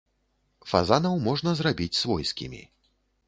Фазанаў можна зрабіць свойскімі.